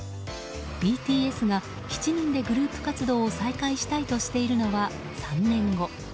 ＢＴＳが７人でグループ活動を再開したいとしているのは３年後。